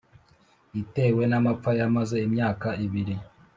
itewe n’amapfa yamaze imyaka ibiri.